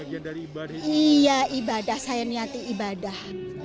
iya ibadah sayang nyati ibadah